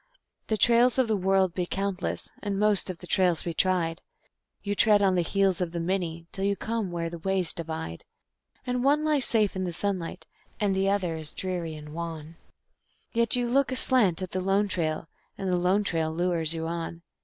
_ The trails of the world be countless, and most of the trails be tried; You tread on the heels of the many, till you come where the ways divide; And one lies safe in the sunlight, and the other is dreary and wan, Yet you look aslant at the Lone Trail, and the Lone Trail lures you on.